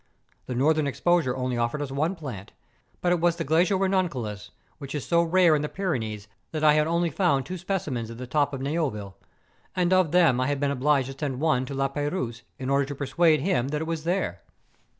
The northern exposure only offered us one plant; but it was the glacial re nonculus, which is so rare in the Pyrenees that I had only found two specimens at the top of Neou ville, and of them I had been obliged to send one to La Peyrouse, in order to persuade him that it was there.